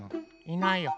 いないや。